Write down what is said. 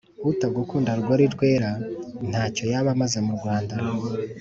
Utagukunda Rugori rweraNtacyo yaba amaze mu Rwanda